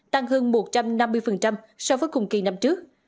tăng hơn một trăm năm mươi so với cùng kỳ năm trước